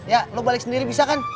ya lo balik sendiri bisa kan